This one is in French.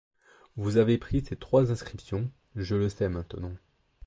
Vous avez pris ces trois inscriptions, je le sais maintenant.